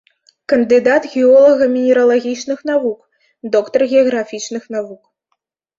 Кандыдат геолага-мінералагічных навук, доктар геаграфічных навук.